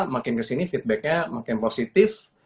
makin kesini feedbacknya makin positif